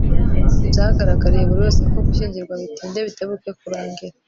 Byagaragariye buri wese ko gushyingirwa bitinde bitebuke kurangira